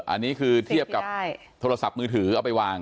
อันนี้คือเทียบกับโทรศัพท์มือถือเอาไปวาง